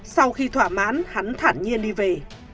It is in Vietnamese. sau khi thỏa mãn hắn thản nhiên đi về